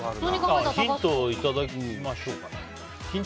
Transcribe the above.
ヒントをいただきましょうか。